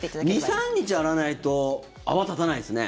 ２３日洗わないと泡立たないですね。